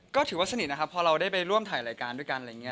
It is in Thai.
ก็ถือว่าสนิทนะครับพอเราได้ไปร่วมถ่ายรายการด้วยกันอะไรอย่างนี้